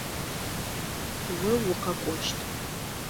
О укъэкӏощт.